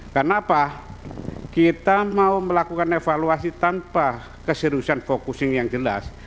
karena apa kita mau melakukan evaluasi tanpa keseriusan fokus yang jelas